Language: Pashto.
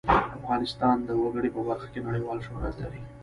افغانستان د وګړي په برخه کې نړیوال شهرت لري.